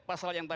pasal yang tadi